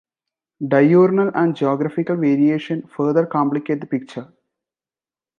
Diurnal and geographical variation further complicate the picture.